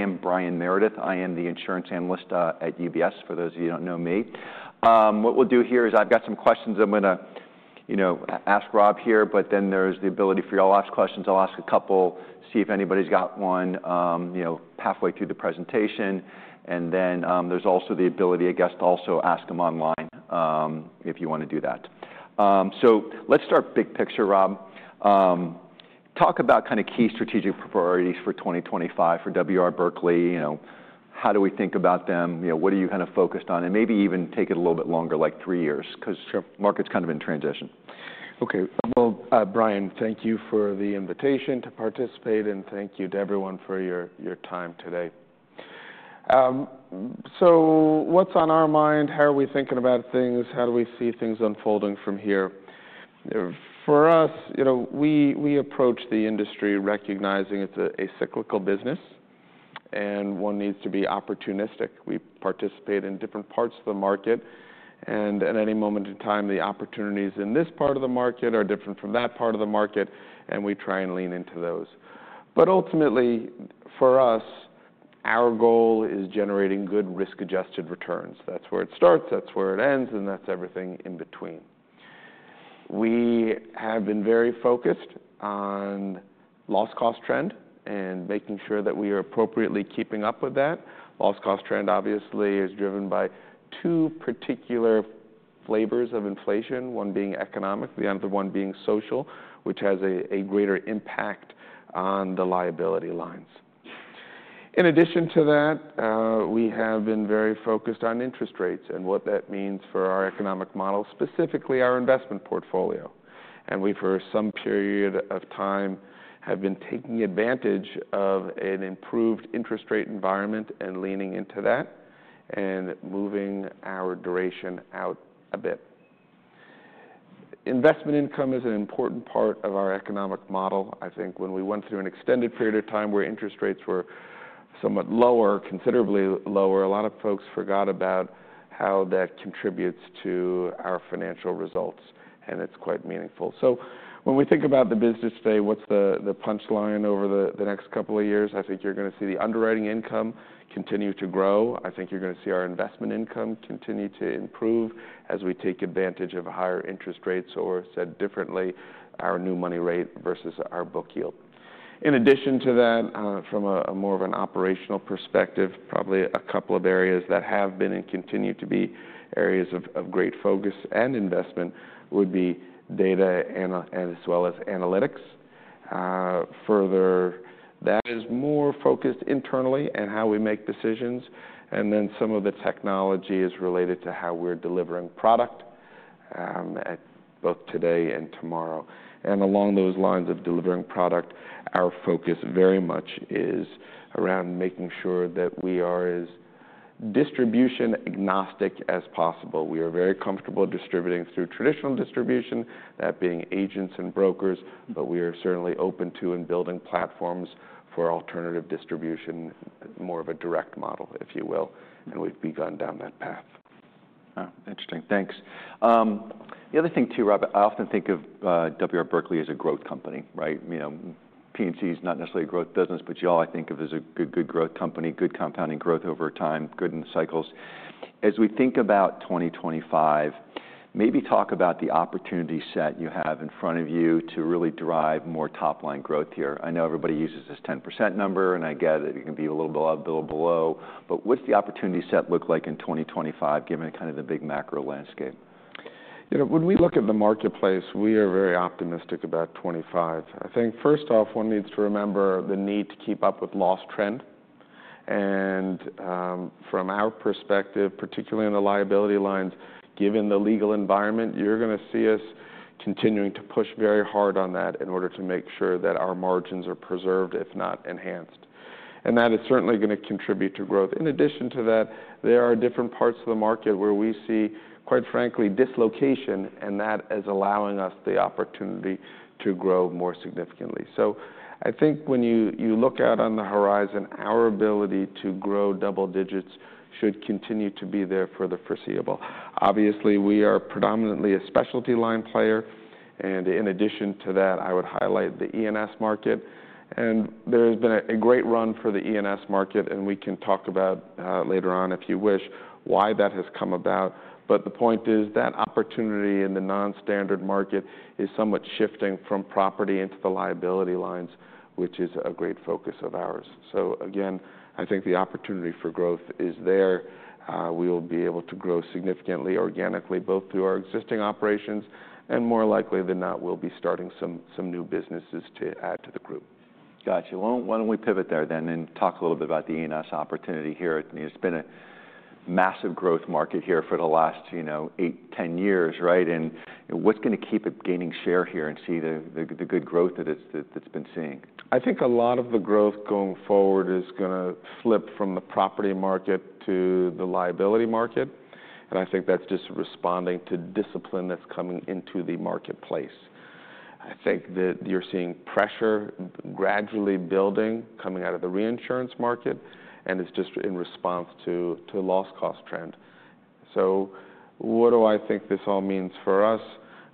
I am Brian Meredith. I am the insurance analyst at UBS, for those of you who don't know me. What we'll do here is I've got some questions I'm going to ask Rob here, but then there's the ability for you all to ask questions. I'll ask a couple, see if anybody's got one halfway through the presentation, and then there's also the ability, I guess, to also ask them online if you want to do that, so let's start big picture, Rob. Talk about kind of key strategic priorities for 2025 for W. R. Berkley. How do we think about them? What are you kind of focused on? And maybe even take it a little bit longer, like three years, because the market's kind of in transition. Okay. Well, Brian, thank you for the invitation to participate, and thank you to everyone for your time today. So what's on our mind? How are we thinking about things? How do we see things unfolding from here? For us, we approach the industry recognizing it's a cyclical business, and one needs to be opportunistic. We participate in different parts of the market, and at any moment in time, the opportunities in this part of the market are different from that part of the market, and we try and lean into those. But ultimately, for us, our goal is generating good risk-adjusted returns. That's where it starts, that's where it ends, and that's everything in between. We have been very focused on the loss-cost trend and making sure that we are appropriately keeping up with that. Loss-cost trend, obviously, is driven by two particular flavors of inflation, one being economic, the other one being social, which has a greater impact on the liability lines. In addition to that, we have been very focused on interest rates and what that means for our economic model, specifically our investment portfolio. And we, for some period of time, have been taking advantage of an improved interest rate environment and leaning into that and moving our duration out a bit. Investment income is an important part of our economic model. I think when we went through an extended period of time where interest rates were somewhat lower, considerably lower, a lot of folks forgot about how that contributes to our financial results, and it's quite meaningful. So when we think about the business today, what's the punchline over the next couple of years? I think you're going to see the underwriting income continue to grow. I think you're going to see our investment income continue to improve as we take advantage of higher interest rates, or said differently, our new money rate versus our book yield. In addition to that, from more of an operational perspective, probably a couple of areas that have been and continue to be areas of great focus and investment would be data as well as analytics. Further, that is more focused internally and how we make decisions. And then some of the technology is related to how we're delivering product both today and tomorrow. And along those lines of delivering product, our focus very much is around making sure that we are as distribution-agnostic as possible. We are very comfortable distributing through traditional distribution, that being agents and brokers, but we are certainly open to and building platforms for alternative distribution, more of a direct model, if you will, and we've begun down that path. Interesting. Thanks. The other thing too, Rob, I often think of W. R. Berkley as a growth company. P&C is not necessarily a growth business, but you all, I think, of as a good growth company, good compounding growth over time, good in the cycles. As we think about 2025, maybe talk about the opportunity set you have in front of you to really drive more top-line growth here. I know everybody uses this 10% number, and I get it. It can be a little bit below, but what's the opportunity set look like in 2025, given kind of the big macro landscape? When we look at the marketplace, we are very optimistic about 2025. I think, first off, one needs to remember the need to keep up with loss trend. From our perspective, particularly on the liability lines, given the legal environment, you are going to see us continuing to push very hard on that in order to make sure that our margins are preserved, if not enhanced. That is certainly going to contribute to growth. In addition to that, there are different parts of the market where we see, quite frankly, dislocation, and that is allowing us the opportunity to grow more significantly. I think when you look out on the horizon, our ability to grow double digits should continue to be there for the foreseeable. Obviously, we are predominantly a specialty line player. In addition to that, I would highlight the E&S market. There has been a great run for the E&S market, and we can talk about later on, if you wish, why that has come about. The point is that opportunity in the nonstandard market is somewhat shifting from property into the liability lines, which is a great focus of ours. Again, I think the opportunity for growth is there. We will be able to grow significantly organically, both through our existing operations, and more likely than not, we'll be starting some new businesses to add to the group. Gotcha. Why don't we pivot there then and talk a little bit about the E&S opportunity here? It's been a massive growth market here for the last eight, 10 years, and what's going to keep it gaining share here and see the good growth that it's been seeing? I think a lot of the growth going forward is going to flip from the property market to the liability market, and I think that's just responding to discipline that's coming into the marketplace. I think that you're seeing pressure gradually building coming out of the reinsurance market, and it's just in response to the loss-cost trend, so what do I think this all means for us?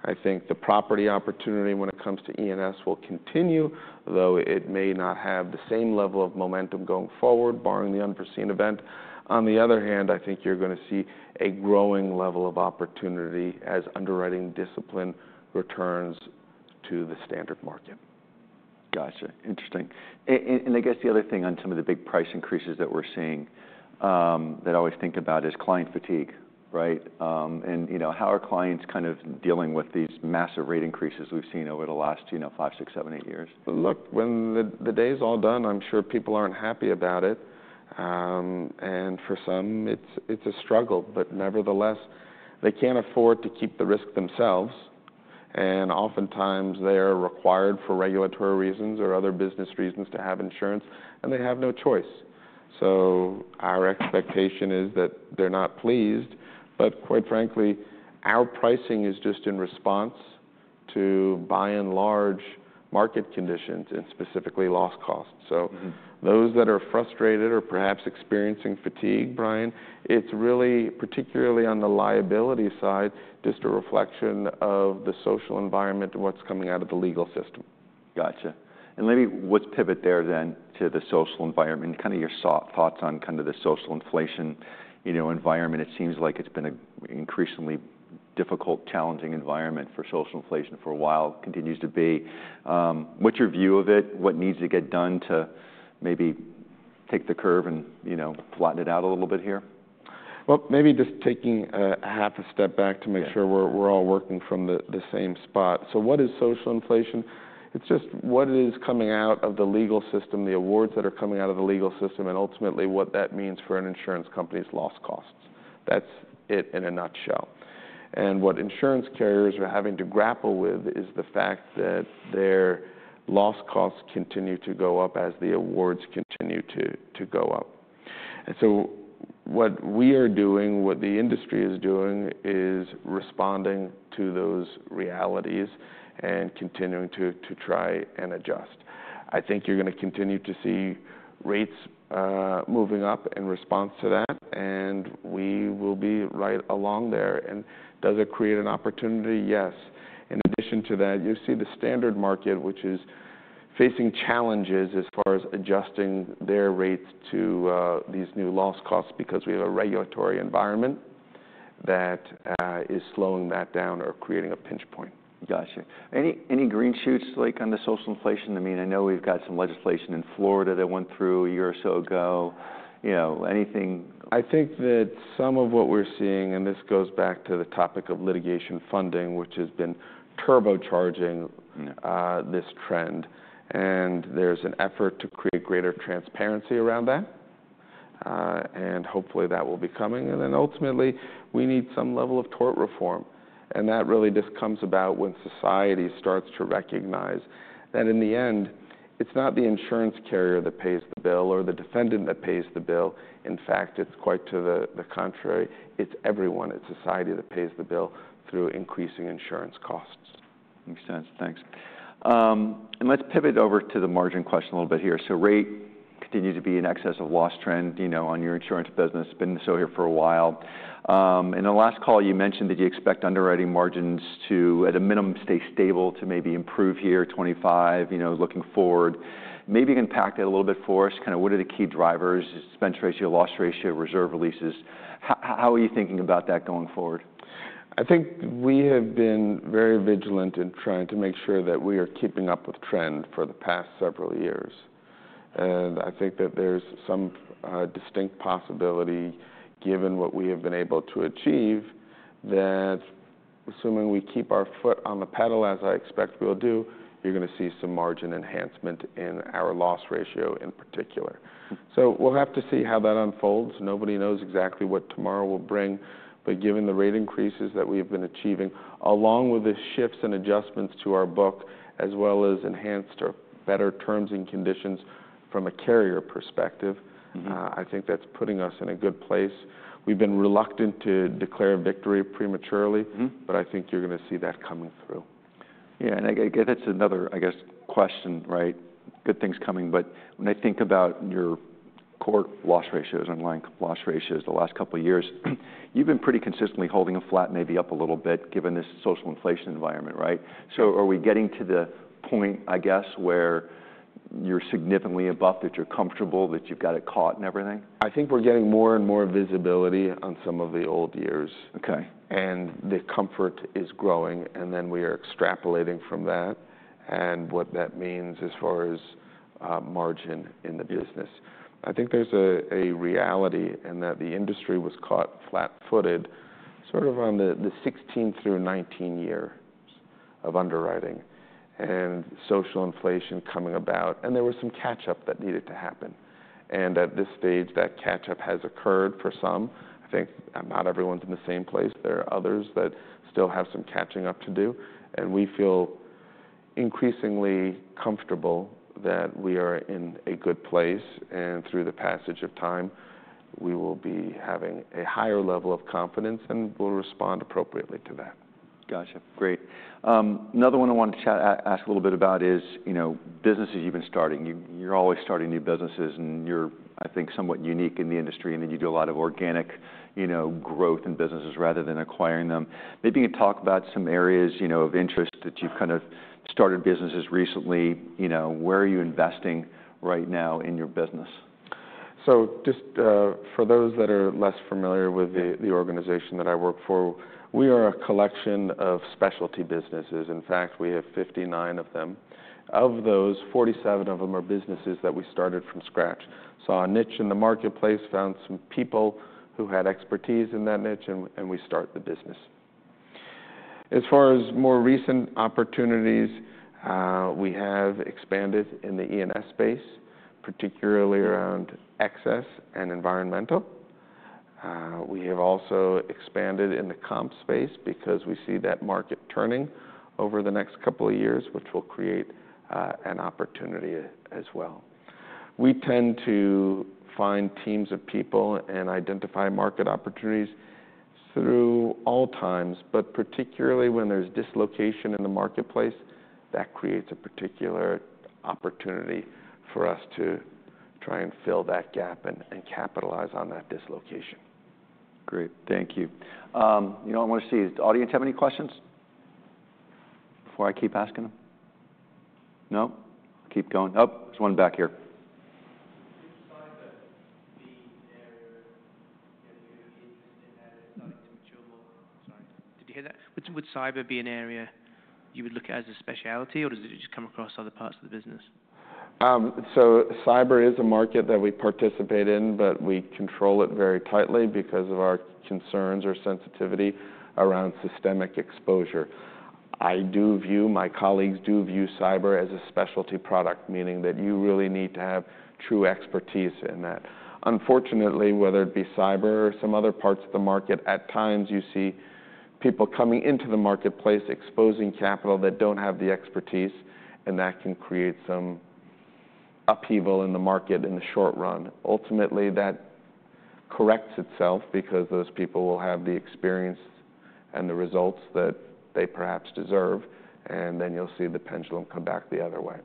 I think the property opportunity when it comes to E&S will continue, though it may not have the same level of momentum going forward, barring the unforeseen event. On the other hand, I think you're going to see a growing level of opportunity as underwriting discipline returns to the standard market. Gotcha. Interesting. And I guess the other thing on some of the big price increases that we're seeing that I always think about is client fatigue. And how are clients kind of dealing with these massive rate increases we've seen over the last five, six, seven, eight years? Look, when the day's all done, I'm sure people aren't happy about it. And for some, it's a struggle, but nevertheless, they can't afford to keep the risk themselves. And oftentimes, they are required for regulatory reasons or other business reasons to have insurance, and they have no choice. So our expectation is that they're not pleased, but quite frankly, our pricing is just in response to by and large market conditions and specifically loss costs. So those that are frustrated or perhaps experiencing fatigue, Brian, it's really, particularly on the liability side, just a reflection of the social environment and what's coming out of the legal system. Gotcha. And maybe let's pivot there then to the social environment and kind of your thoughts on kind of the social inflation environment. It seems like it's been an increasingly difficult, challenging environment for social inflation for a while, continues to be. What's your view of it? What needs to get done to maybe take the curve and flatten it out a little bit here? Maybe just taking a half a step back to make sure we're all working from the same spot. What is social inflation? It's just what is coming out of the legal system, the awards that are coming out of the legal system, and ultimately what that means for an insurance company's loss costs. That's it in a nutshell. What insurance carriers are having to grapple with is the fact that their loss costs continue to go up as the awards continue to go up. What we are doing, what the industry is doing, is responding to those realities and continuing to try and adjust. I think you're going to continue to see rates moving up in response to that, and we will be right along there. Does it create an opportunity? Yes. In addition to that, you see the standard market, which is facing challenges as far as adjusting their rates to these new loss costs because we have a regulatory environment that is slowing that down or creating a pinch point. Gotcha. Any green shoots on the social inflation? I mean, I know we've got some legislation in Florida that went through a year or so ago. Anything? I think that some of what we're seeing, and this goes back to the topic of litigation funding, which has been turbocharging this trend, and there's an effort to create greater transparency around that, and hopefully, that will be coming, and then ultimately, we need some level of tort reform, and that really just comes about when society starts to recognize that in the end, it's not the insurance carrier that pays the bill or the defendant that pays the bill. In fact, it's quite to the contrary. It's everyone. It's society that pays the bill through increasing insurance costs. Makes sense. Thanks. And let's pivot over to the margin question a little bit here. So rate continues to be in excess of loss trend on your insurance business. It's been so here for a while. In the last call, you mentioned that you expect underwriting margins to, at a minimum, stay stable to maybe improve here 2025, looking forward. Maybe you can unpack that a little bit for us. Kind of what are the key drivers? Expense ratio, loss ratio, reserve releases. How are you thinking about that going forward? I think we have been very vigilant in trying to make sure that we are keeping up with trend for the past several years, and I think that there's some distinct possibility, given what we have been able to achieve, that assuming we keep our foot on the pedal, as I expect we'll do, you're going to see some margin enhancement in our loss ratio in particular, so we'll have to see how that unfolds. Nobody knows exactly what tomorrow will bring, but given the rate increases that we have been achieving, along with the shifts and adjustments to our book, as well as enhanced or better terms and conditions from a carrier perspective, I think that's putting us in a good place, we've been reluctant to declare victory prematurely, but I think you're going to see that coming through. Yeah. And I guess that's another, I guess, question. Good things coming. But when I think about your core loss ratios, underlying loss ratios, the last couple of years, you've been pretty consistently holding a flat, maybe up a little bit, given this social inflation environment. So are we getting to the point, I guess, where you're significantly above that you're comfortable, that you've got it caught and everything? I think we're getting more and more visibility on some of the old years, and the comfort is growing. And then we are extrapolating from that and what that means as far as margin in the business. I think there's a reality in that the industry was caught flat-footed sort of on the 2016 through 2019 year of underwriting and social inflation coming about. And there was some catch-up that needed to happen. And at this stage, that catch-up has occurred for some. I think not everyone's in the same place. There are others that still have some catching up to do. And we feel increasingly comfortable that we are in a good place. And through the passage of time, we will be having a higher level of confidence and will respond appropriately to that. Gotcha. Great. Another one I wanted to ask a little bit about is businesses you've been starting. You're always starting new businesses, and you're, I think, somewhat unique in the industry. And then you do a lot of organic growth in businesses rather than acquiring them. Maybe you can talk about some areas of interest that you've kind of started businesses recently. Where are you investing right now in your business? So just for those that are less familiar with the organization that I work for, we are a collection of specialty businesses. In fact, we have 59 of them. Of those, 47 of them are businesses that we started from scratch, saw a niche in the marketplace, found some people who had expertise in that niche, and we start the business. As far as more recent opportunities, we have expanded in the E&S space, particularly around excess and environmental. We have also expanded in the comp space because we see that market turning over the next couple of years, which will create an opportunity as well. We tend to find teams of people and identify market opportunities at all times, but particularly when there's dislocation in the marketplace, that creates a particular opportunity for us to try and fill that gap and capitalize on that dislocation. Great. Thank you. I want to see. Does the audience have any questions before I keep asking them? No? Keep going. Oh, there's one back here. Would you say that the area that you're interested in, that it's starting to mature more? Sorry. Did you hear that? Would cyber be an area you would look at as a specialty, or does it just come across other parts of the business? So cyber is a market that we participate in, but we control it very tightly because of our concerns or sensitivity around systemic exposure. I do view, my colleagues do view cyber as a specialty product, meaning that you really need to have true expertise in that. Unfortunately, whether it be cyber or some other parts of the market, at times you see people coming into the marketplace, exposing capital that don't have the expertise, and that can create some upheaval in the market in the short run. Ultimately, that corrects itself because those people will have the experience and the results that they perhaps deserve, and then you'll see the pendulum come back the other way.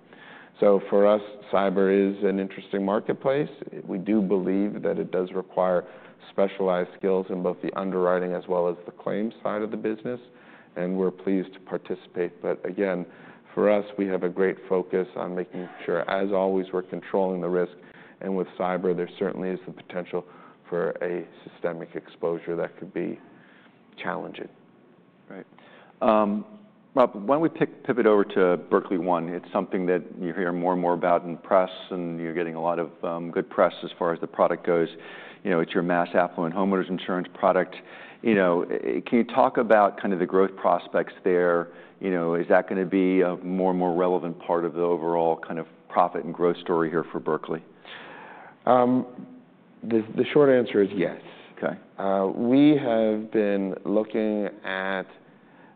So for us, cyber is an interesting marketplace. We do believe that it does require specialized skills in both the underwriting as well as the claims side of the business. And we're pleased to participate. But again, for us, we have a great focus on making sure, as always, we're controlling the risk. And with cyber, there certainly is the potential for a systemic exposure that could be challenging. Right. Why don't we pivot over to Berkley One? It's something that you hear more and more about in the press, and you're getting a lot of good press as far as the product goes. It's your mass affluent homeowners insurance product. Can you talk about kind of the growth prospects there? Is that going to be a more and more relevant part of the overall kind of profit and growth story here for Berkley? The short answer is yes. We have been looking at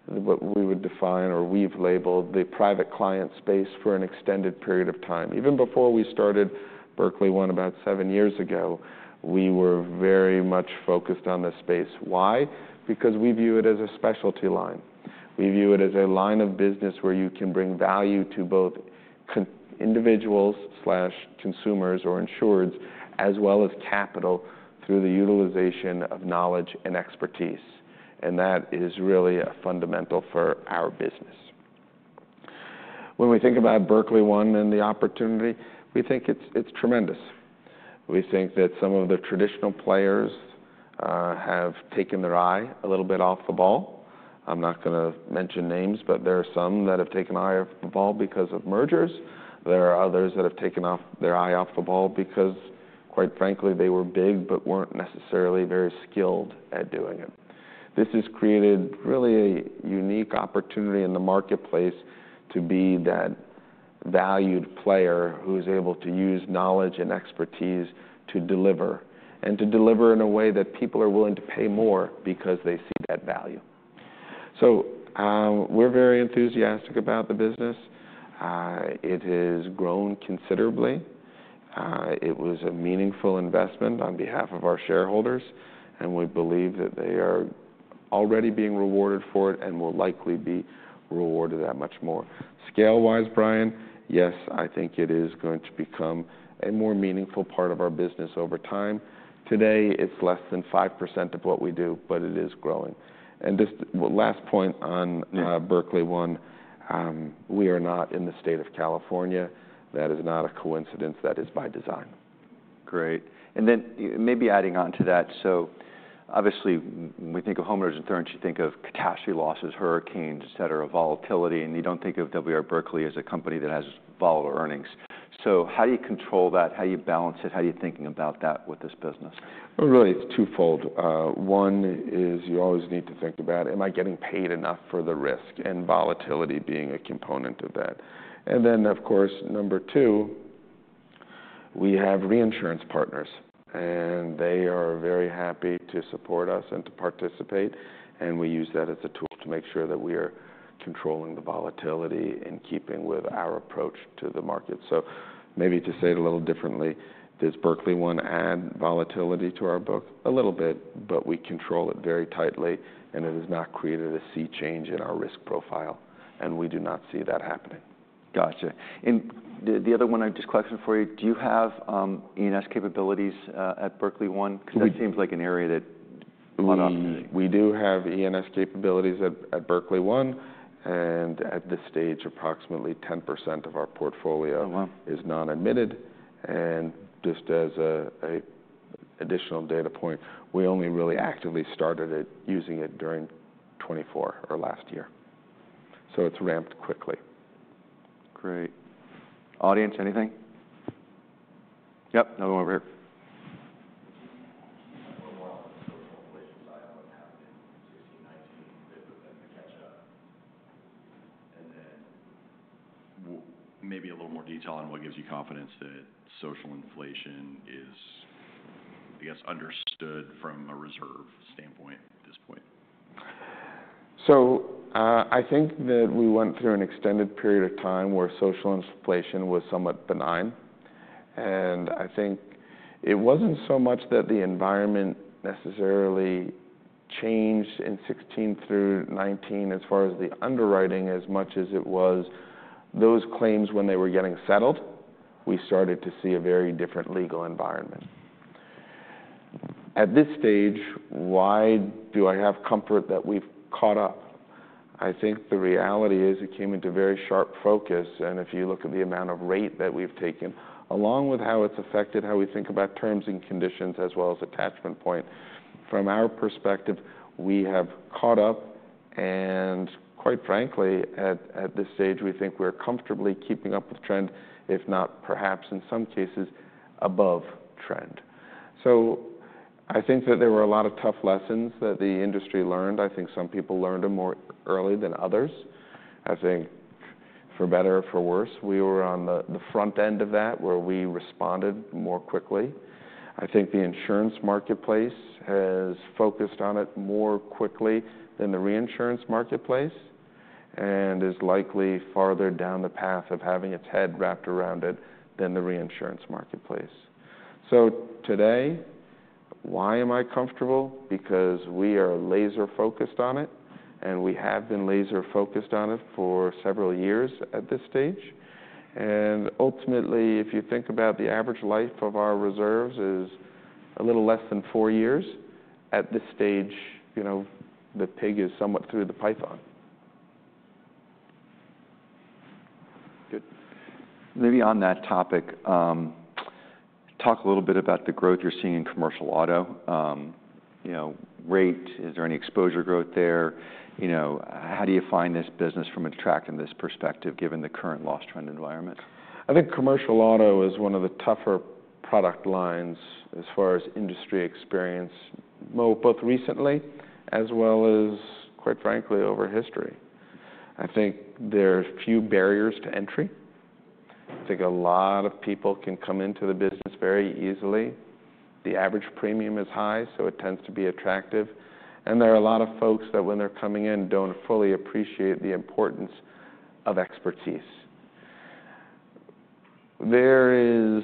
what we would define or we've labeled the private client space for an extended period of time. Even before we started Berkley One about seven years ago, we were very much focused on the space. Why? Because we view it as a specialty line. We view it as a line of business where you can bring value to both individuals/consumers or insureds as well as capital through the utilization of knowledge and expertise. And that is really fundamental for our business. When we think about Berkley One and the opportunity, we think it's tremendous. We think that some of the traditional players have taken their eye a little bit off the ball. I'm not going to mention names, but there are some that have taken their eye off the ball because of mergers. There are others that have taken their eye off the ball because, quite frankly, they were big but weren't necessarily very skilled at doing it. This has created really a unique opportunity in the marketplace to be that valued player who is able to use knowledge and expertise to deliver and to deliver in a way that people are willing to pay more because they see that value. So we're very enthusiastic about the business. It has grown considerably. It was a meaningful investment on behalf of our shareholders, and we believe that they are already being rewarded for it and will likely be rewarded that much more. Scale-wise, Brian, yes, I think it is going to become a more meaningful part of our business over time. Today, it's less than 5% of what we do, but it is growing. Just last point on Berkley One, we are not in the state of California. That is not a coincidence. That is by design. Great. And then maybe adding on to that. So obviously, when we think of homeowners insurance, you think of catastrophe losses, hurricanes, et cetera, volatility. And you don't think of W. R. Berkley as a company that has volatile earnings. So how do you control that? How do you balance it? How are you thinking about that with this business? Really, it's twofold. One is you always need to think about, am I getting paid enough for the risk and volatility being a component of that? And then, of course, number two, we have reinsurance partners. And they are very happy to support us and to participate. And we use that as a tool to make sure that we are controlling the volatility in keeping with our approach to the market. So maybe to say it a little differently, does Berkley One add volatility to our book? A little bit, but we control it very tightly. And it has not created a sea change in our risk profile. And we do not see that happening. Gotcha. And the other one I just questioned for you, do you have E&S capabilities at Berkley One? Because that seems like an area that a lot of. We do have E&S capabilities at Berkley One. And at this stage, approximately 10% of our portfolio is non-admitted. And just as an additional data point, we only really actively started using it during 2024 or last year. So it's ramped quickly. Great. Audience, anything? Yep. Another one over here. I'm more on the social inflation side on what's happening in 2016, 2019, a bit within the catch-up, and then maybe a little more detail on what gives you confidence that social inflation is, I guess, understood from a reserve standpoint at this point. I think that we went through an extended period of time where social inflation was somewhat benign. I think it wasn't so much that the environment necessarily changed in 2016 through 2019 as far as the underwriting as much as it was those claims when they were getting settled. We started to see a very different legal environment. At this stage, why do I have comfort that we've caught up? I think the reality is it came into very sharp focus. If you look at the amount of rate that we've taken, along with how it's affected how we think about terms and conditions as well as attachment point, from our perspective, we have caught up. Quite frankly, at this stage, we think we're comfortably keeping up with trend, if not perhaps in some cases above trend. So I think that there were a lot of tough lessons that the industry learned. I think some people learned them more early than others. I think for better or for worse, we were on the front end of that where we responded more quickly. I think the insurance marketplace has focused on it more quickly than the reinsurance marketplace and is likely farther down the path of having its head wrapped around it than the reinsurance marketplace. So today, why am I comfortable? Because we are laser-focused on it. And we have been laser-focused on it for several years at this stage. And ultimately, if you think about the average life of our reserves is a little less than four years, at this stage, the pig is somewhat through the python. Good. Maybe on that topic, talk a little bit about the growth you're seeing in commercial auto rate. Is there any exposure growth there? How do you find this business from a risk perspective given the current loss trend environment? I think commercial auto is one of the tougher product lines as far as industry experience, both recently as well as, quite frankly, over history. I think there are few barriers to entry. I think a lot of people can come into the business very easily. The average premium is high, so it tends to be attractive, and there are a lot of folks that when they're coming in don't fully appreciate the importance of expertise. There is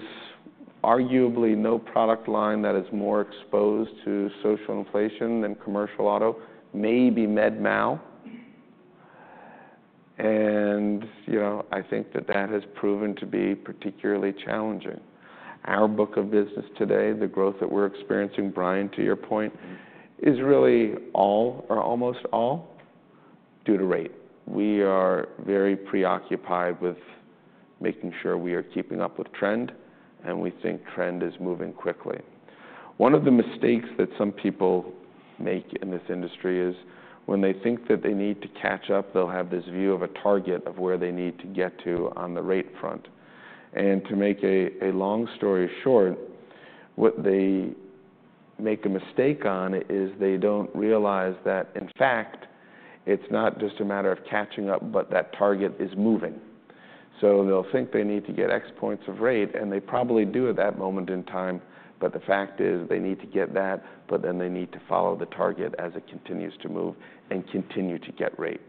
arguably no product line that is more exposed to social inflation than commercial auto, maybe med mal, and I think that that has proven to be particularly challenging. Our book of business today, the growth that we're experiencing, Brian, to your point, is really all or almost all due to rate. We are very preoccupied with making sure we are keeping up with trend, and we think trend is moving quickly. One of the mistakes that some people make in this industry is when they think that they need to catch up, they'll have this view of a target of where they need to get to on the rate front, and to make a long story short, what they make a mistake on is they don't realize that, in fact, it's not just a matter of catching up, but that target is moving, so they'll think they need to get X points of rate, and they probably do at that moment in time, but the fact is they need to get that, but then they need to follow the target as it continues to move and continue to get rate.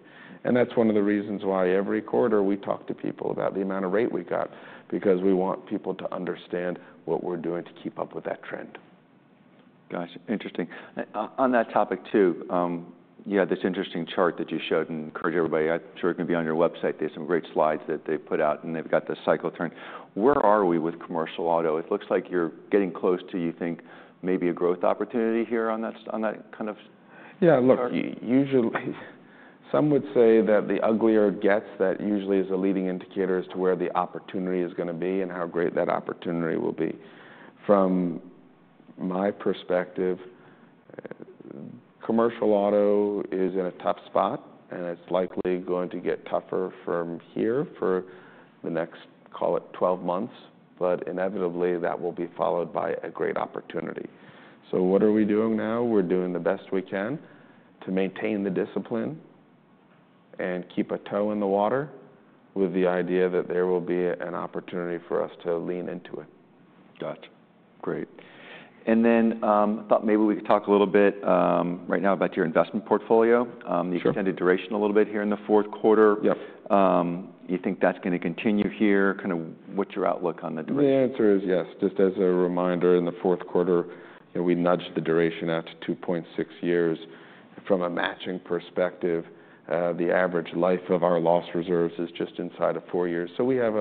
That's one of the reasons why every quarter we talk to people about the amount of rate we've got because we want people to understand what we're doing to keep up with that trend. Gotcha. Interesting. On that topic too, you had this interesting chart that you showed and encouraged everybody. I'm sure it can be on your website. There's some great slides that they put out, and they've got the cycle turn. Where are we with commercial auto? It looks like you're getting close to, you think, maybe a growth opportunity here on that kind of chart. Yeah. Look, usually some would say that the uglier it gets, that usually is a leading indicator as to where the opportunity is going to be and how great that opportunity will be. From my perspective, commercial auto is in a tough spot, and it's likely going to get tougher from here for the next, call it, 12 months. But inevitably, that will be followed by a great opportunity. So what are we doing now? We're doing the best we can to maintain the discipline and keep a toe in the water with the idea that there will be an opportunity for us to lean into it. Gotcha. Great. And then I thought maybe we could talk a little bit right now about your investment portfolio. You've tended duration a little bit here in the fourth quarter. Yep. You think that's going to continue here? Kind of what's your outlook on the duration? The answer is yes. Just as a reminder, in the fourth quarter, we nudged the duration out to 2.6 years. From a matching perspective, the average life of our loss reserves is just inside of four years. So we have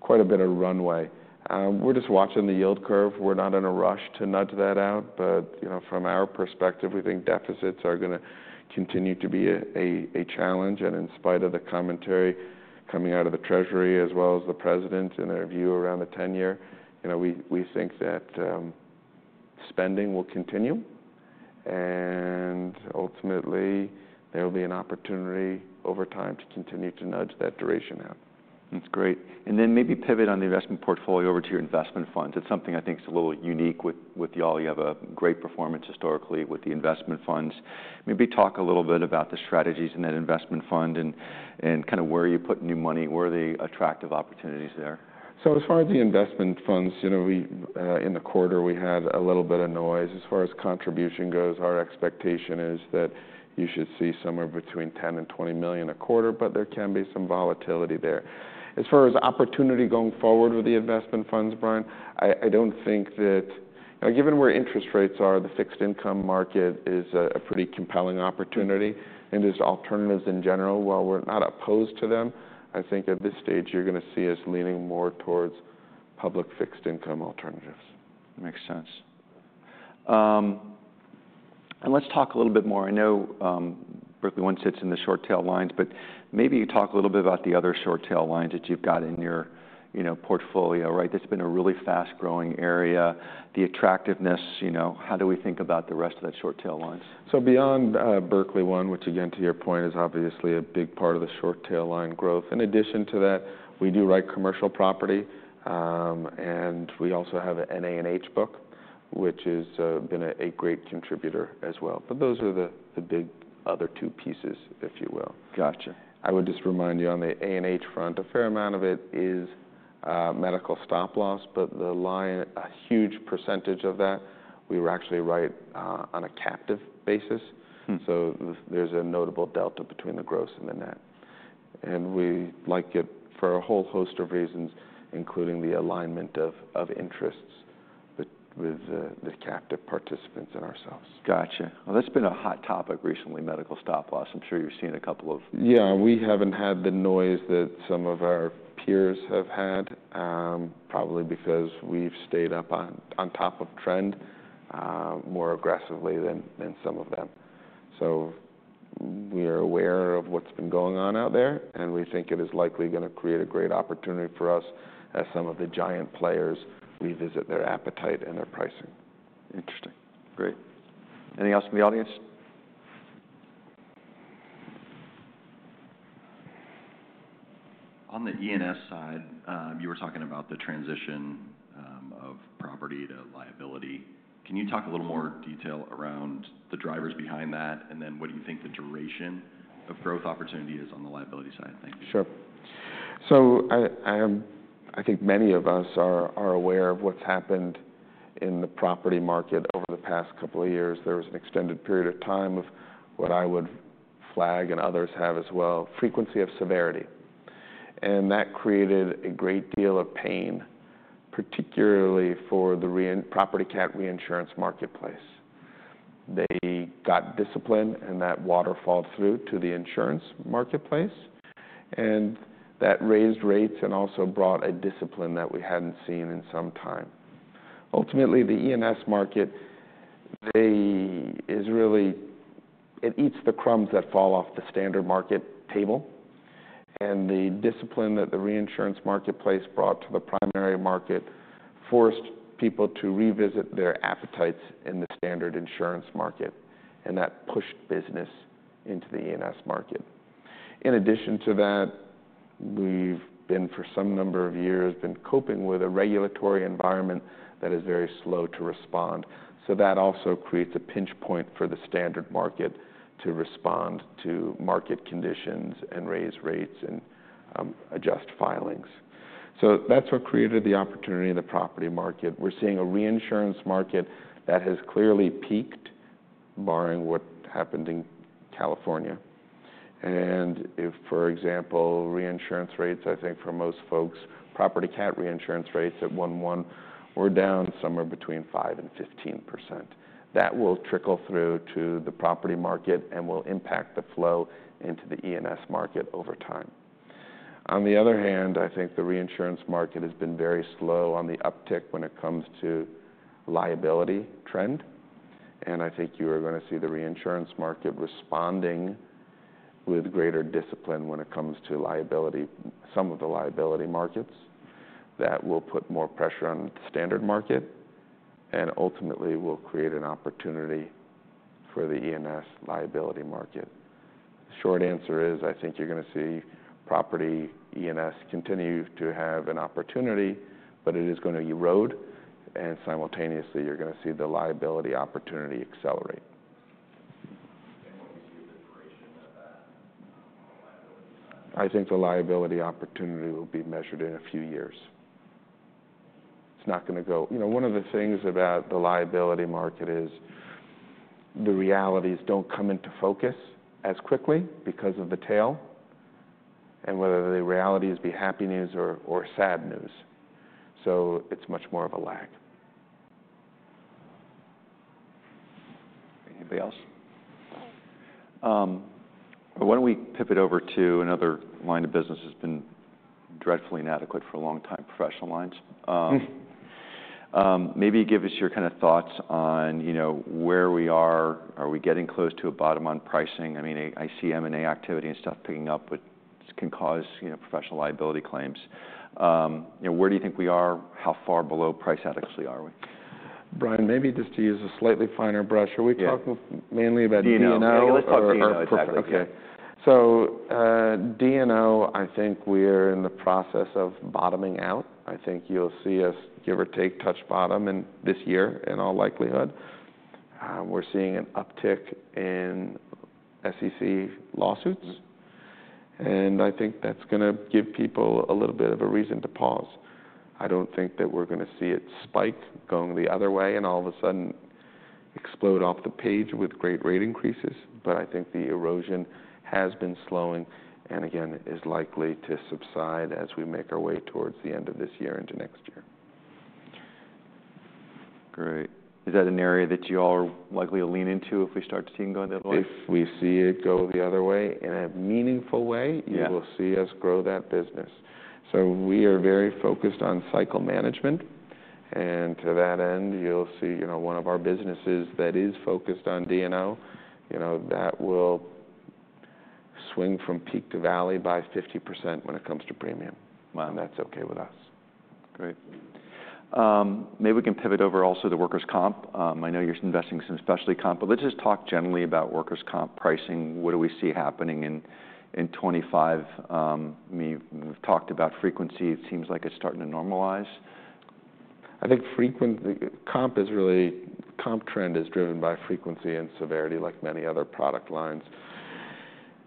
quite a bit of runway. We're just watching the yield curve. We're not in a rush to nudge that out. But from our perspective, we think deficits are going to continue to be a challenge. And in spite of the commentary coming out of the Treasury as well as the president and their view around the 10-year, we think that spending will continue. And ultimately, there will be an opportunity over time to continue to nudge that duration out. That's great. And then maybe pivot on the investment portfolio over to your investment funds. It's something I think is a little unique with y'all. You have a great performance historically with the investment funds. Maybe talk a little bit about the strategies in that investment fund and kind of where you put new money. Where are the attractive opportunities there? So as far as the investment funds, in the quarter, we had a little bit of noise. As far as contribution goes, our expectation is that you should see somewhere between $10 million and $20 million a quarter. But there can be some volatility there. As far as opportunity going forward with the investment funds, Brian, I don't think that given where interest rates are, the fixed income market is a pretty compelling opportunity. And there's alternatives in general. While we're not opposed to them, I think at this stage you're going to see us leaning more towards public fixed income alternatives. Makes sense. And let's talk a little bit more. I know Berkley One sits in the short-tail lines. But maybe you talk a little bit about the other short-tail lines that you've got in your portfolio, right? That's been a really fast-growing area. The attractiveness, how do we think about the rest of that short-tail lines? So beyond Berkley One, which again, to your point, is obviously a big part of the short-tail line growth. In addition to that, we do write commercial property. And we also have an A&H book, which has been a great contributor as well. But those are the big other two pieces, if you will. Gotcha. I would just remind you, on the A&H front, a fair amount of it is medical stop loss. But the line, a huge percentage of that, we write, actually, right on a captive basis. So there's a notable delta between the gross and the net. And we like it for a whole host of reasons, including the alignment of interests with the captive participants and ourselves. Gotcha. Well, that's been a hot topic recently, medical stop loss. I'm sure you've seen a couple of. Yeah. We haven't had the noise that some of our peers have had, probably because we've stayed up on top of trend more aggressively than some of them. So we are aware of what's been going on out there. And we think it is likely going to create a great opportunity for us as some of the giant players revisit their appetite and their pricing. Interesting. Great. Anything else from the audience? On the E&S side, you were talking about the transition of property to liability. Can you talk a little more detail around the drivers behind that? And then what do you think the duration of growth opportunity is on the liability side? Thank you. Sure. So I think many of us are aware of what's happened in the property market over the past couple of years. There was an extended period of time of what I would call and others have as well, frequency and severity. And that created a great deal of pain, particularly for the property cat reinsurance marketplace. They got discipline. And that waterfall through to the insurance marketplace. And that raised rates and also brought a discipline that we hadn't seen in some time. Ultimately, the E&S market, it eats the crumbs that fall off the standard market table. And the discipline that the reinsurance marketplace brought to the primary market forced people to revisit their appetites in the standard insurance market. And that pushed business into the E&S market. In addition to that, we've been for some number of years coping with a regulatory environment that is very slow to respond. So that also creates a pinch point for the standard market to respond to market conditions and raise rates and adjust filings. So that's what created the opportunity in the property market. We're seeing a reinsurance market that has clearly peaked, barring what happened in California, and if, for example, reinsurance rates, I think for most folks, property cat reinsurance rates at 1/1 were down somewhere between 5%-15%. That will trickle through to the property market and will impact the flow into the E&S market over time. On the other hand, I think the reinsurance market has been very slow on the uptick when it comes to liability trend. And I think you are going to see the reinsurance market responding with greater discipline when it comes to liability, some of the liability markets that will put more pressure on the standard market and ultimately will create an opportunity for the E&S liability market. The short answer is I think you're going to see property E&S continue to have an opportunity, but it is going to erode. And simultaneously, you're going to see the liability opportunity accelerate. What do you see as the duration of that liability? I think the liability opportunity will be measured in a few years. It's not going to go. One of the things about the liability market is the realities don't come into focus as quickly because of the tail and whether the reality is very happy news or sad news. So it's much more of a lag. Anybody else? Why don't we pivot over to another line of business that's been dreadfully inadequate for a long time, professional lines? Maybe give us your kind of thoughts on where we are. Are we getting close to a bottom on pricing? I mean, I see M&A activity and stuff picking up, which can cause professional liability claims. Where do you think we are? How far below price adequacy are we? Brian, maybe just to use a slightly finer brush, are we talking mainly about D&O? Yeah. Yeah. Let's talk D&O, preferably. Okay, so D&O, I think we are in the process of bottoming out. I think you'll see us, give or take, touch bottom this year in all likelihood. We're seeing an uptick in SEC lawsuits, and I think that's going to give people a little bit of a reason to pause. I don't think that we're going to see it spike going the other way and all of a sudden explode off the page with great rate increases, but I think the erosion has been slowing and again, is likely to subside as we make our way towards the end of this year into next year. Great. Is that an area that you all are likely to lean into if we start to see them going that way? If we see it go the other way in a meaningful way, you will see us grow that business. So we are very focused on cycle management. And to that end, you'll see one of our businesses that is focused on D&O, that will swing from peak to valley by 50% when it comes to premium. And that's okay with us. Great. Maybe we can pivot over also to workers' comp. I know you're investing in some specialty comp. But let's just talk generally about workers' comp pricing. What do we see happening in 2025? We've talked about frequency. It seems like it's starting to normalize. I think comp trend is driven by frequency and severity, like many other product lines.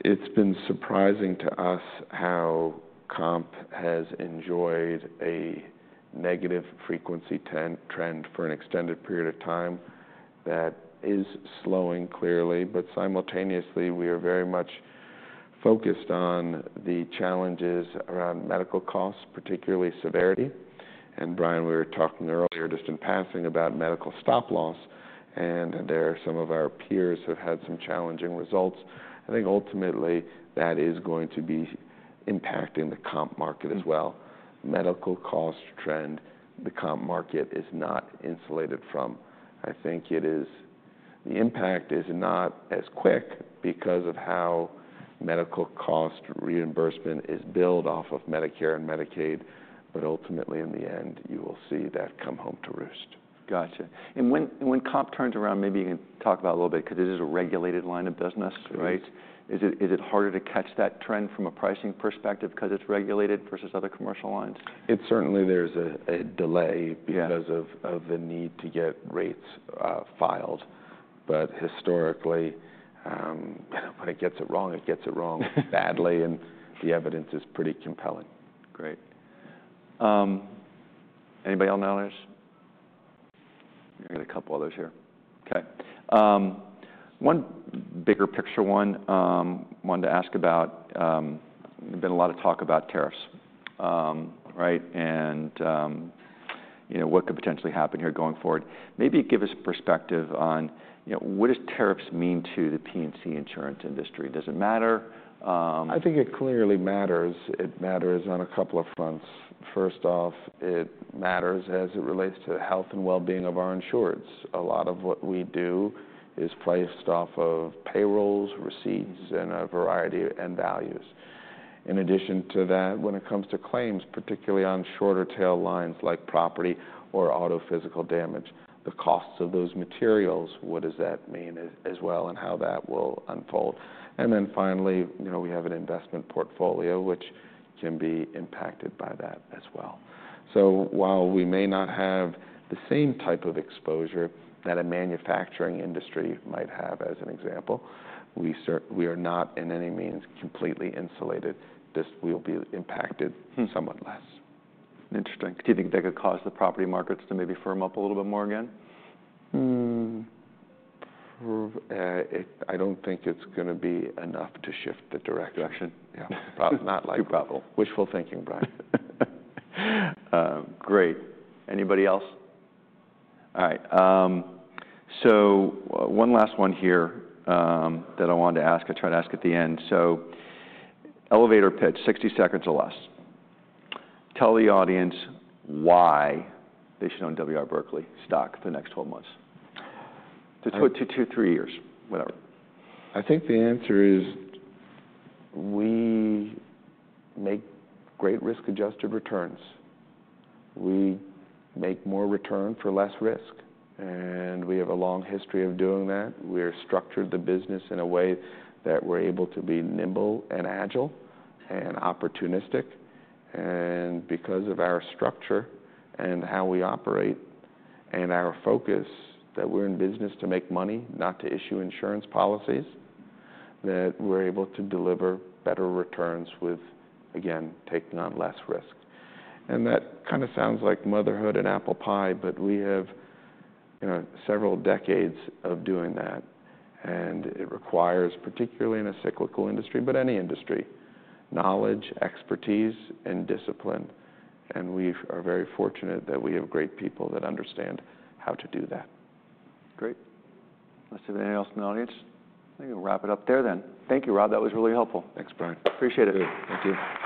It's been surprising to us how comp has enjoyed a negative frequency trend for an extended period of time that is slowing clearly, but simultaneously, we are very much focused on the challenges around medical costs, particularly severity. Brian, we were talking earlier just in passing about medical stop loss. And there are some of our peers who have had some challenging results. I think ultimately that is going to be impacting the comp market as well. Medical cost trend, the comp market is not insulated from. I think the impact is not as quick because of how medical cost reimbursement is billed off of Medicare and Medicaid. But ultimately, in the end, you will see that come home to roost. Gotcha. And when comp turns around, maybe you can talk about it a little bit because it is a regulated line of business, right? Is it harder to catch that trend from a pricing perspective because it's regulated versus other commercial lines? It certainly, there's a delay because of the need to get rates filed. But historically, when it gets it wrong, it gets it wrong badly. And the evidence is pretty compelling. Great. Anybody else knowledge? You've got a couple others here. Okay. One bigger picture one I wanted to ask about. There's been a lot of talk about tariffs, right? And what could potentially happen here going forward? Maybe give us perspective on what does tariffs mean to the P&C insurance industry? Does it matter? I think it clearly matters. It matters on a couple of fronts. First off, it matters as it relates to the health and well-being of our insureds. A lot of what we do is priced off of payrolls, receipts, and a variety of end values. In addition to that, when it comes to claims, particularly on shorter tail lines like property or auto physical damage, the costs of those materials, what does that mean as well and how that will unfold, and then finally, we have an investment portfolio, which can be impacted by that as well, so while we may not have the same type of exposure that a manufacturing industry might have, as an example, we are not by any means completely insulated. We'll be impacted somewhat less. Interesting. Do you think that could cause the property markets to maybe firm up a little bit more again? I don't think it's going to be enough to shift the direction. Direction? Yeah. Not likely. Too probable. Wishful thinking, Brian. Great. Anybody else? All right. So one last one here that I wanted to ask. I tried to ask at the end. So elevator pitch, 60 seconds or less. Tell the audience why they should own W. R. Berkley stock for the next 12 months. To two, three years, whatever. I think the answer is we make great risk-adjusted returns. We make more return for less risk. And we have a long history of doing that. We are structured the business in a way that we're able to be nimble and agile and opportunistic. And because of our structure and how we operate and our focus that we're in business to make money, not to issue insurance policies, that we're able to deliver better returns with, again, taking on less risk. And that kind of sounds like motherhood and apple pie. But we have several decades of doing that. And it requires, particularly in a cyclical industry, but any industry, knowledge, expertise, and discipline. And we are very fortunate that we have great people that understand how to do that. Great. Let's see if anyone else has questions. I think we'll wrap it up there then. Thank you, Rob. That was really helpful. Thanks, Brian. Appreciate it. Thank you.